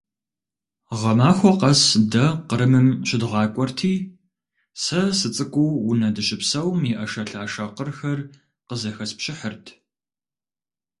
Гъэмахуэ къэс дэ Кърымым щыдгъакӏуэрти, сэ сыцӏыкӏуу, унэ дыщыпсэум и ӏэшэлъашэ къырхэр къызэхэспщыхьырт.